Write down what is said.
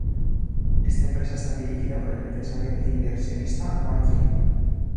Esta empresa está dirigida por el empresario e inversionista Wang Jing.